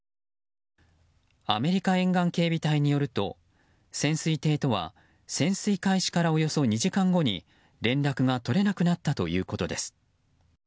アメリカ沿岸警備隊によると潜水艇とは潜水開始からおよそ２時間後に連絡が取れなくなったということです。